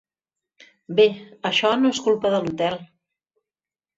Bé, això no és culpa de l'hotel.